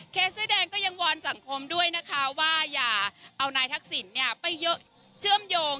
เสื้อแดงก็ยังวอนสังคมด้วยนะคะว่าอย่าเอานายทักษิณไปเชื่อมโยง